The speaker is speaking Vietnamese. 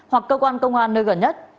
hoặc cơ quan công an nơi gần nhất